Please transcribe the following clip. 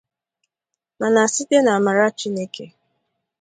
mana site na amara Chineke